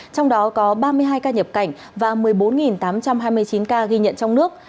trong đó có ba mươi hai ca nhập cảnh và một mươi bốn tám trăm hai mươi chín ca ghi nhận trong nước